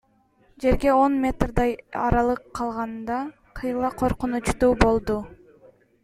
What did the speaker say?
Жерге он метрдей аралык калганда кыйла коркунучтуу болду.